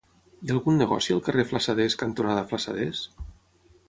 Hi ha algun negoci al carrer Flassaders cantonada Flassaders?